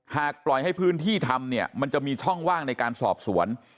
ปล่อยให้พื้นที่ทำเนี่ยมันจะมีช่องว่างในการสอบสวน